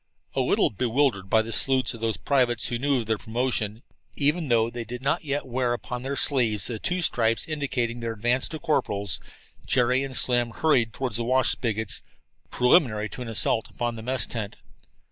A little bewildered by the salutes of those privates who knew of their promotions, even though they did not yet wear upon their sleeves the two stripes indicating their advance to corporals, Jerry and Slim hurried toward the wash spigots, preliminary to an assault upon the mess tent.